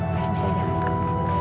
pasti bisa jalan